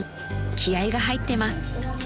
気合が入ってます］